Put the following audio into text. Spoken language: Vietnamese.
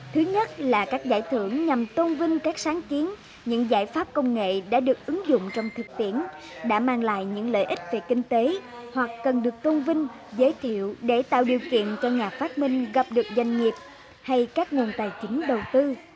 thứ nhất là các giải thưởng nhằm tôn vinh các sáng kiến những giải pháp công nghệ đã được ứng dụng trong thực tiễn đã mang lại những lợi ích về kinh tế hoặc cần được tôn vinh giới thiệu để tạo điều kiện cho nhà phát minh gặp được doanh nghiệp hay các nguồn tài chính đầu tư